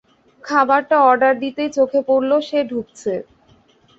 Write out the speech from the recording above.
খাবারটা অর্ডার দিতেই চোখে পড়ল সে ঢুকছে।